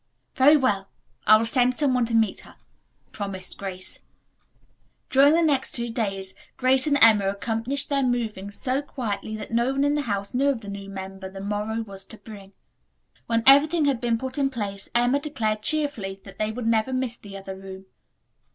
"Very well. I will send some one to meet her," promised Grace. During the next two days Grace and Emma accomplished their moving so quietly that no one in the house knew of the new member the morrow was to bring. When everything had been put in place Emma declared cheerily that they would never miss the other room.